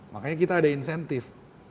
makanya kita ada insentif